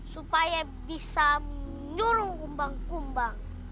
supaya bisa menyuruh gumbang kumbang